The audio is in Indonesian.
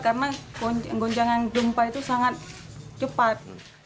karena guncangan gempa itu sangat cepat